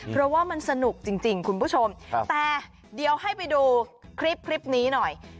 เพราะว่ามันสนุกจริงคุณผู้ชมแต่เดี๋ยวให้ไปดูคลิปนี้หน่อย